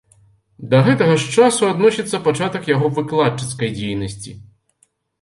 Да гэтага ж часу адносіцца пачатак яго выкладчыцкай дзейнасці.